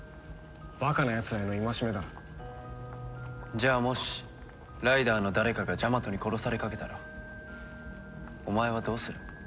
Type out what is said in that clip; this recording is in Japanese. じゃあもしライダーの誰かがジャマトに殺されかけたらお前はどうする？